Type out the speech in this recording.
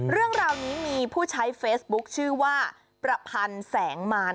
เรื่องราวนี้มีผู้ใช้เฟซบุ๊คชื่อว่าประพันธ์แสงมาร